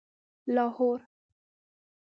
لاهور